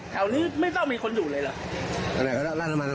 แถวนี้ไม่ต้องมีคนอยู่เลยหรออันไหนครับร่านน้ำมันอันไหนครับ